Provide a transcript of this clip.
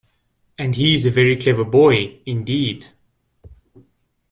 And he is a very clever boy, indeed.